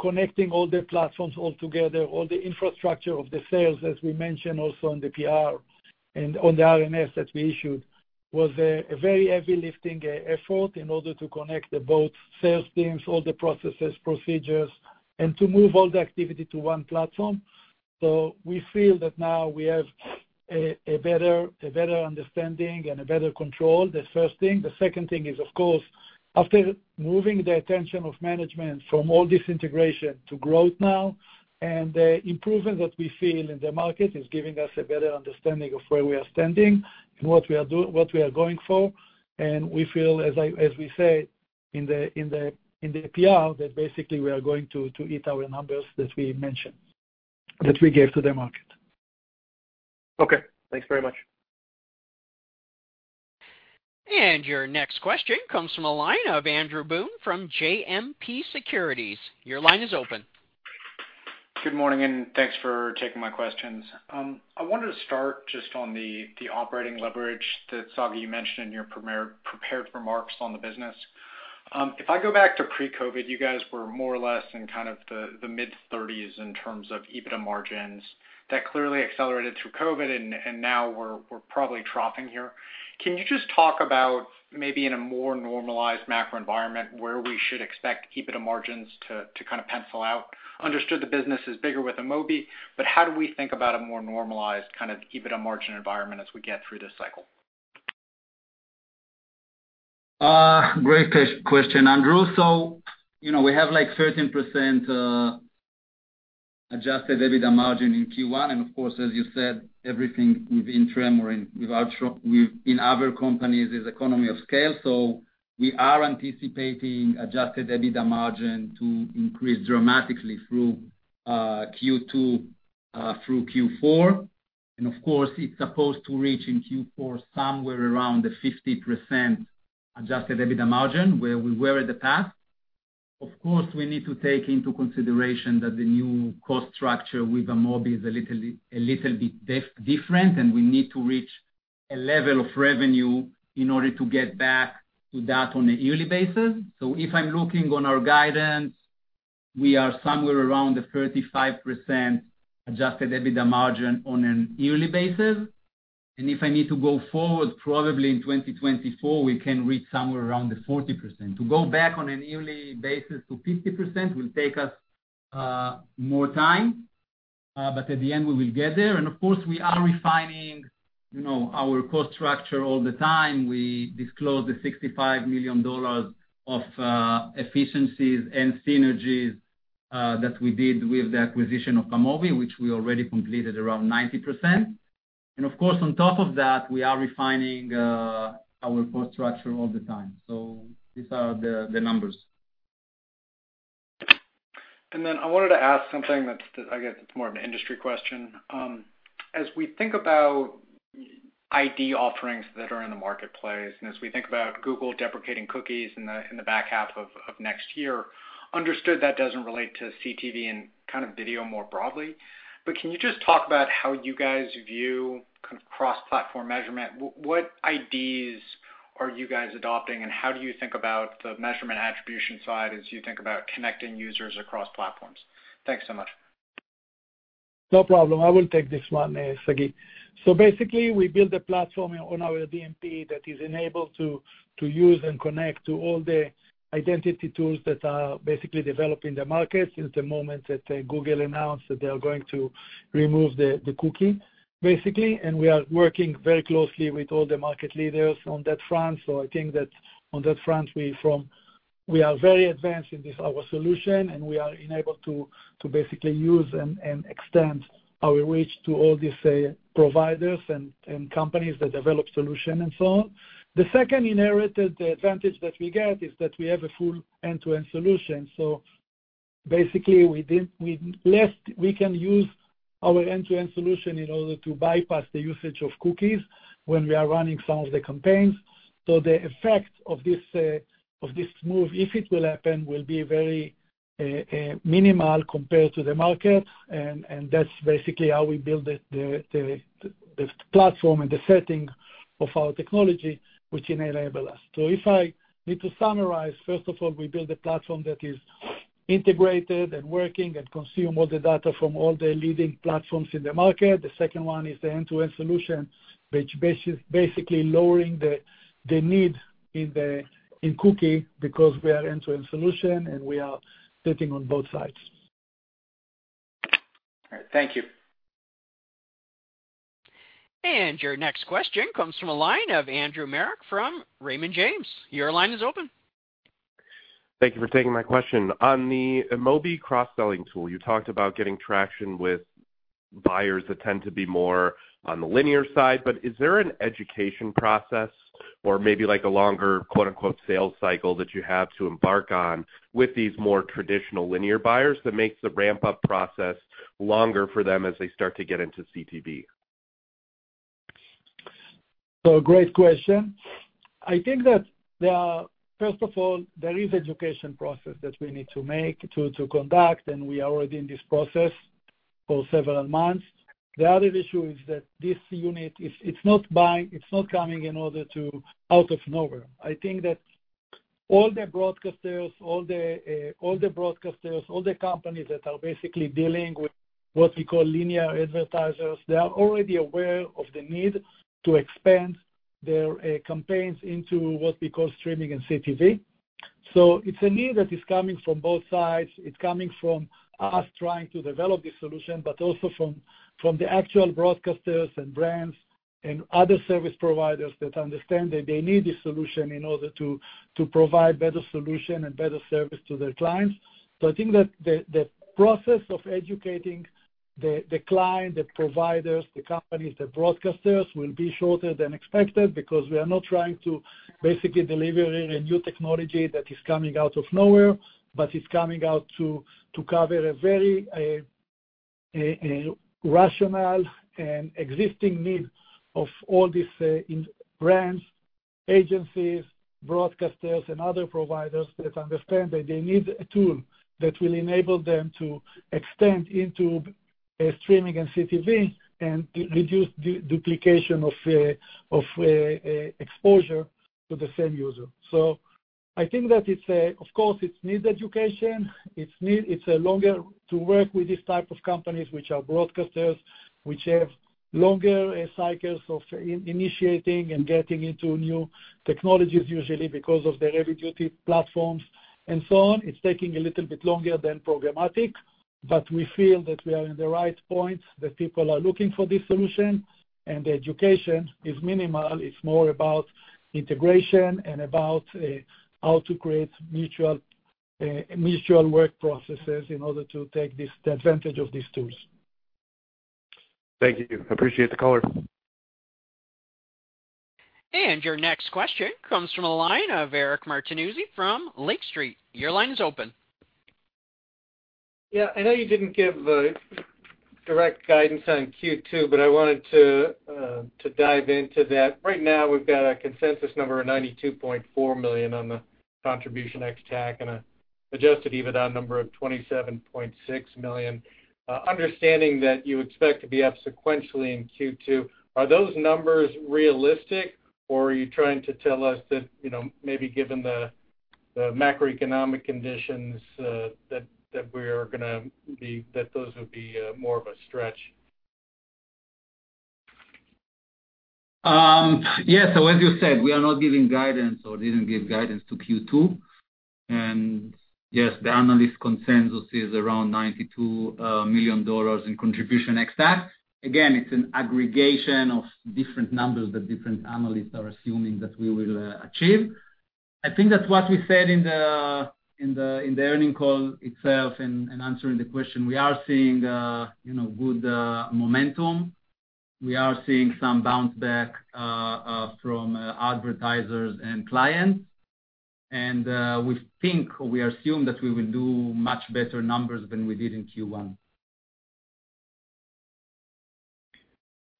connecting all the platforms all together, all the infrastructure of the sales, as we mentioned also in the PR and on the RNS that we issued, was a very heavy lifting effort in order to connect the both sales teams, all the processes, procedures, and to move all the activity to one platform. We feel that now we have a better understanding and a better control, the first thing. The second thing is, of course, after moving the attention of management from all this integration to growth now, and the improvement that we see in the market is giving us a better understanding of where we are standing and what we are going for. We feel, as we said, in the PR, that basically we are going to hit our numbers that we mentioned, that we gave to the market. Okay, thanks very much. Your next question comes from the line of Andrew Boone from JMP Securities. Your line is open. Good morning. Thanks for taking my questions. I wanted to start just on the operating leverage that, Sagi, you mentioned in your prepared remarks on the business. If I go back to pre-COVID, you guys were more or less in kind of the mid-30s in terms of EBITDA margins. That clearly accelerated through COVID, and now we're probably troughing here. Can you just talk about maybe in a more normalized macro environment, where we should expect EBITDA margins to kind of pencil out? Understood the business is bigger with Amobee. How do we think about a more normalized kind of EBITDA margin environment as we get through this cycle? great question, Andrew. You know, we have, like, 13% adjusted EBITDA margin in Q1, and of course, as you said, everything with Tremor or in, with other companies is economy of scale. We are anticipating adjusted EBITDA margin to increase dramatically through Q2 through Q4. Of course, it's supposed to reach in Q4 somewhere around the 50% adjusted EBITDA margin, where we were in the past. Of course, we need to take into consideration that the new cost structure with Amobee is a little bit different, and we need to reach a level of revenue in order to get back to that on an yearly basis. If I'm looking on our guidance, we are somewhere around the 35% adjusted EBITDA margin on an yearly basis. If I need to go forward, probably in 2024, we can reach somewhere around the 40%. To go back on an yearly basis to 50% will take us more time, but at the end, we will get there. Of course, we are refining, you know, our cost structure all the time. We disclosed the $65 million of efficiencies and synergies that we did with the acquisition of Amobee, which we already completed around 90%. Of course, on top of that, we are refining our cost structure all the time. These are the numbers. I wanted to ask something that's, I guess, it's more of an industry question. As we think about ID offerings that are in the marketplace, and as we think about Google deprecating cookies in the, in the back half of next year, understood that doesn't relate to CTV and kind of video more broadly. Can you just talk about how you guys view kind of cross-platform measurement? What IDs are you guys adopting, and how do you think about the measurement attribution side as you think about connecting users across platforms? Thanks so much. No problem. I will take this one, Sagi. Basically, we built a platform on our DMP that is enabled to use and connect to all the identity tools that are basically developed in the market since the moment that Google announced that they are going to remove the cookie, basically, and we are working very closely with all the market leaders on that front. I think that on that front, we are very advanced in this, our solution, and we are enabled to basically use and extend our reach to all these providers and companies that develop solution and so on. The second inherited advantage that we get is that we have a full end-to-end solution. basically, we can use our end-to-end solution in order to bypass the usage of cookies when we are running some of the campaigns. The effect of this move, if it will happen, will be very minimal compared to the market, and that's basically how we build the platform and the setting of our technology, which enable us. If I need to summarize, first of all, we build a platform that is integrated and working and consume all the data from all the leading platforms in the market. The second one is the end-to-end solution, which basically lowering the need in cookie, because we are end-to-end solution, and we are sitting on both sides. All right, thank you. Your next question comes from a line of Andrew Marok from Raymond James. Your line is open. Thank you for taking my question. On the Amobee cross-selling tool, you talked about getting traction with buyers that tend to be more on the linear side, but is there an education process or maybe like a longer, quote, unquote, sales cycle that you have to embark on with these more traditional linear buyers that makes the ramp-up process longer for them as they start to get into CTV? Great question. I think that there are. First of all, there is education process that we need to make to conduct, and we are already in this process for several months. The other issue is that this unit, it's not buying, it's not coming in order to out of nowhere. I think that all the broadcasters, all the broadcasters, all the companies that are basically dealing with what we call linear advertisers, they are already aware of the need to expand their campaigns into what we call streaming and CTV. It's a need that is coming from both sides. It's coming from us trying to develop this solution, but also from the actual broadcasters and brands and other service providers that understand that they need a solution in order to provide better solution and better service to their clients. I think that the process of educating the client, the providers, the companies, the broadcasters, will be shorter than expected because we are not trying to basically deliver a new technology that is coming out of nowhere, but it's coming out to cover a very, a rational and existing need of all these in brands, agencies, broadcasters, and other providers that understand that they need a tool that will enable them to extend into a streaming and CTV, and reduce duplication of exposure to the same user. I think that it's, of course, it needs education. It's a longer to work with these type of companies, which are broadcasters, which have longer cycles of initiating and getting into new technologies, usually because of their heavy-duty platforms and so on. It's taking a little bit longer than programmatic. We feel that we are in the right point, that people are looking for this solution. The education is minimal. It's more about integration and about how to create mutual mutual work processes in order to take the advantage of these tools. Thank you. Appreciate the call. Your next question comes from a line of Eric Martinuzzi from Lake Street. Your line is open. I know you didn't give direct guidance on Q2, but I wanted to dive into that. Right now, we've got a consensus number of $92.4 million on the Contribution ex-TAC and a Adjusted EBITDA number of $27.6 million. Understanding that you expect to be up sequentially in Q2, are those numbers realistic, or are you trying to tell us that, you know, maybe given the macroeconomic conditions, that those would be more of a stretch? Yes. As you said, we are not giving guidance or didn't give guidance to Q2. Yes, the analyst consensus is around $92 million in Contribution ex-TAC. Again, it's an aggregation of different numbers that different analysts are assuming that we will achieve. I think that's what we said in the earnings call itself and answering the question, we are seeing, you know, good momentum. We are seeing some bounce back from advertisers and clients. We think or we assume that we will do much better numbers than we did in Q1.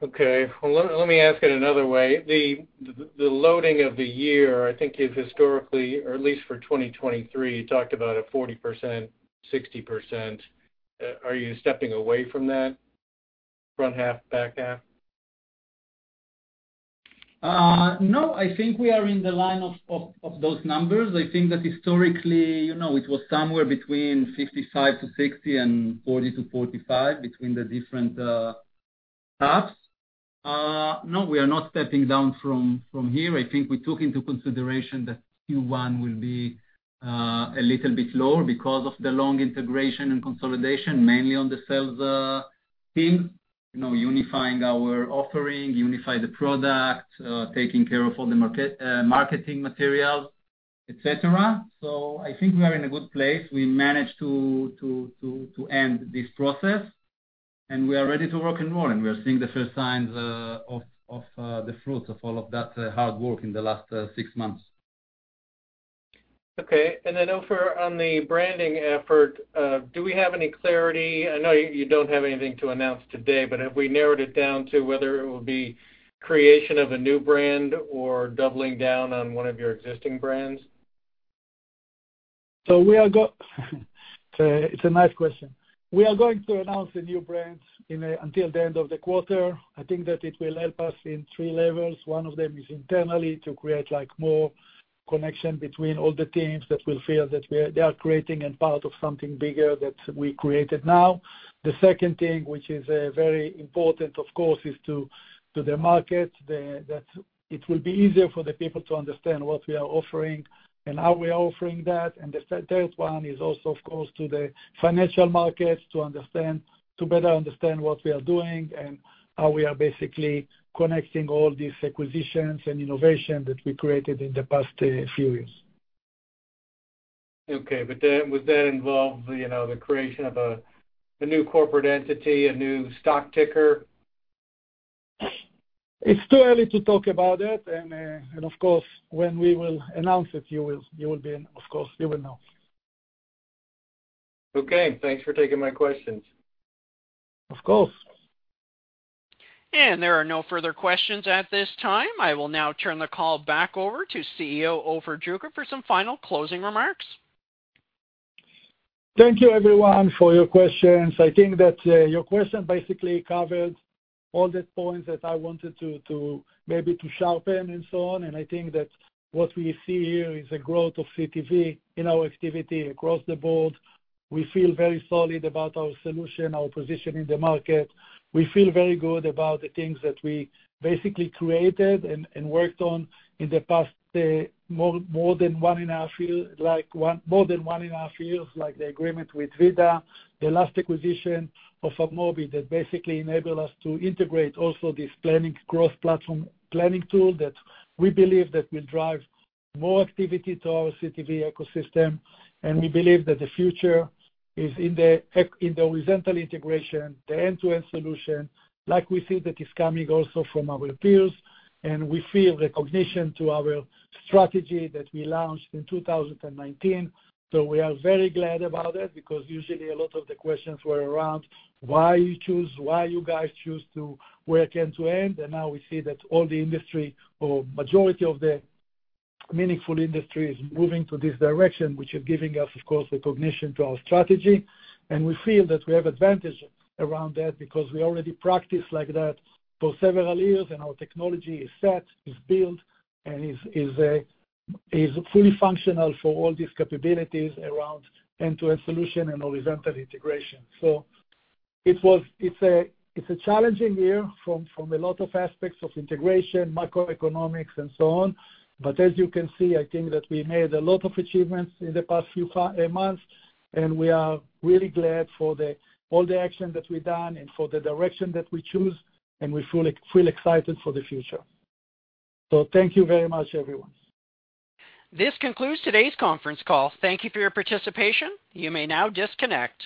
Okay. Well, let me ask it another way. The loading of the year, I think, is historically, or at least for 2023, you talked about a 40%, 60%. Are you stepping away from that front half, back half? No, I think we are in the line of those numbers. I think that historically, you know, it was somewhere between 55-60 and 40-45 between the different halves. No, we are not stepping down from here. I think we took into consideration that Q1 will be a little bit lower because of the long integration and consolidation, mainly on the sales team. You know, unifying our offering, unify the product, taking care of all the market, marketing materials, et cetera. I think we are in a good place. We managed to end this process. We are ready to work and more, and we are seeing the first signs of the fruits of all of that hard work in the last 6 months. Okay. Ofer, on the branding effort, do we have any clarity? I know you don't have anything to announce today, but have we narrowed it down to whether it will be creation of a new brand or doubling down on one of your existing brands? It's a, it's a nice question. We are going to announce the new brands until the end of the quarter. I think that it will help us in 3 levels. One of them is internally, to create, like, more connection between all the teams that will feel that we are creating and part of something bigger that we created now. The second thing, which is very important, of course, is to the market, that it will be easier for the people to understand what we are offering and how we are offering that. The 3rd one is also, of course, to the financial markets, to better understand what we are doing and how we are basically connecting all these acquisitions and innovation that we created in the past few years. Would that involve the, you know, the creation of a new corporate entity, a new stock ticker? It's too early to talk about it, and, of course, when we will announce it, you will be of course, you will know. Okay, thanks for taking my questions. Of course. There are no further questions at this time. I will now turn the call back over to CEO, Ofer Druker, for some final closing remarks. Thank you, everyone, for your questions. I think that your question basically covered all the points that I wanted to maybe to sharpen and so on. I think that what we see here is a growth of CTV in our activity across the board. We feel very solid about our solution, our position in the market. We feel very good about the things that we basically created and worked on in the past, more than one and a half years, like the agreement with VIDAA, the last acquisition of Amobee, that basically enable us to integrate also this planning, growth platform planning tool, that we believe that will drive more activity to our CTV ecosystem. We believe that the future is in the horizontal integration, the end-to-end solution, like we see that is coming also from our peers, and we feel recognition to our strategy that we launched in 2019. We are very glad about it because usually a lot of the questions were around: Why you choose? Why you guys choose to work end to end? Now we see that all the industry, or majority of the meaningful industry, is moving to this direction, which is giving us, of course, recognition to our strategy. We feel that we have advantage around that because we already practiced like that for several years, and our technology is set, is built, and is fully functional for all these capabilities around end-to-end solution and horizontal integration. It was... It's a challenging year from a lot of aspects of integration, macroeconomics, and so on. As you can see, I think that we made a lot of achievements in the past few months, and we are really glad for all the action that we've done and for the direction that we choose, and we feel excited for the future. Thank you very much, everyone. This concludes today's conference call. Thank you for your participation. You may now disconnect.